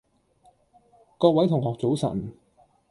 各位同學早晨